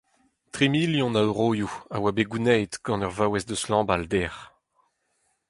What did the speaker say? Tri milion a euroioù a oa bet gounezet gant ur vaouez eus Lambal dec'h.